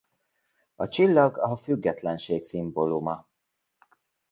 A csillag a függetlenség szimbóluma.